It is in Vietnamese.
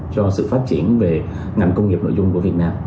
cho sự phát triển về ngành công nghiệp nội dung của việt nam